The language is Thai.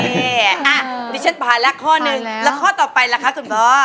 นี่ดิฉันผ่านแล้วข้อหนึ่งแล้วข้อต่อไปล่ะคะคุณพ่อ